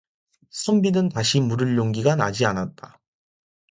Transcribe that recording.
선비는 다시 물을 용기가 나지 않았다.